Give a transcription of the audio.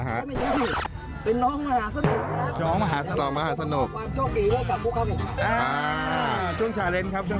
หนูว่าวันนี้ไม่เป็นชาวบ้านหนึ่ง